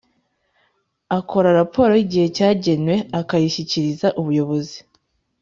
akora raporo y igihe cyagenwe akayishyikiriza ubuyobozi